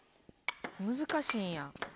難しいんや。